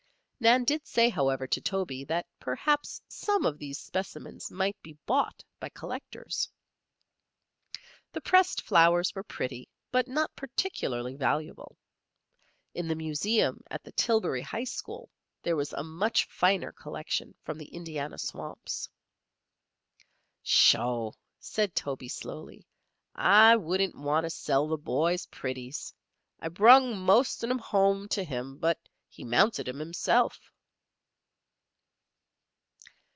Nan did say, however, to Toby that perhaps some of these specimens might be bought by collectors. The pressed flowers were pretty but not particularly valuable. In the museum at the Tillbury High School there was a much finer collection from the Indiana swamps. "Sho!" said Toby, slowly; "I wouldn't wanter sell the boy's pretties. I brung most on 'em home to him; but he mounted 'em himself."